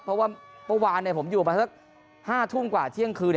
เพราะว่าเมื่อวานผมอยู่ประมาณสัก๕ทุ่มกว่าเที่ยงคืน